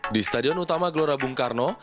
di stadion utama gelora bung karno